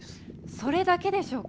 それだけでしょうか？